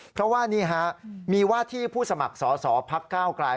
เพราะว่านี่ฮะมีว่าที่ผู้สมัครสอสอพักก้าวกลาย